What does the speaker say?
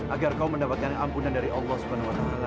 agar kau mendapatkan ampunan dari allah swt